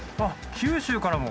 九州からも。